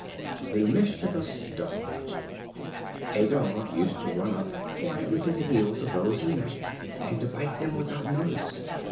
The Mischievous Dog. A Dog used to run up quietly to the heels of those he met, and to bite them without notice.